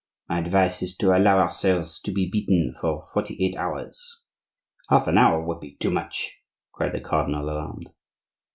My advice is to allow ourselves to be beaten for forty eight hours." "Half an hour would be too much," cried the cardinal, alarmed.